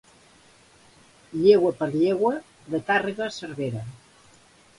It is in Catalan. Llegua per llegua, de Tàrrega a Cervera.